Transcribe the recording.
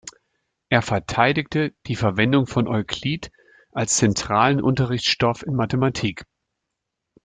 Er verteidigte die Verwendung von Euklid als zentralen Unterrichtsstoff in Mathematik.